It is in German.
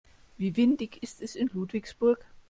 Wie windig ist es in Ludwigsburg?